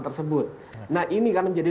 tersebut nah ini karena menjadi